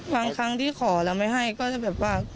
ครั้งที่ขอแล้วไม่ให้ก็จะแบบว่า